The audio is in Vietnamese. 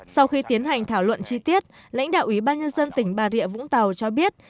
sau khi tiến hành thảo luận chi tiết lãnh đạo ủy ban nhân dân tỉnh bà rịa vũng tàu cho biết